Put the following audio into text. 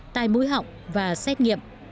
tài mũi họng và xét nghiệm